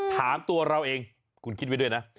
ถามตัวเราเองคุณคิดไว้ด้วยนะ